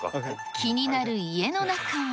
気になる家の中は。